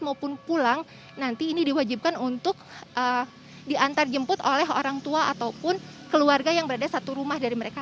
maupun pulang nanti ini diwajibkan untuk diantar jemput oleh orang tua ataupun keluarga yang berada satu rumah dari mereka